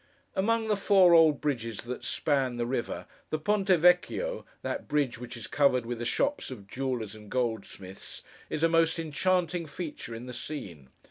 Among the four old bridges that span the river, the Ponte Vecchio—that bridge which is covered with the shops of Jewellers and Goldsmiths—is a most enchanting feature in the scene.